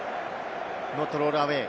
ノットロールアウェイ。